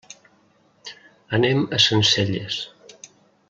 Anem a Sencelles.